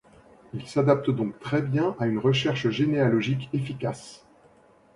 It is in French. Ils s'adaptent donc très bien à une recherche généalogique efficace.